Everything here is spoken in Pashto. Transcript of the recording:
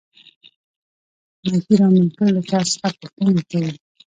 نکير او منکر له چا څخه پوښتنې کوي؟